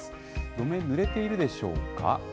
路面、ぬれているでしょうか。